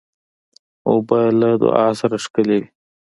اوبه له دعا سره ښکلي وي.